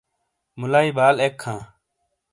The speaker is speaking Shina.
مولایی بال اک ہاں۔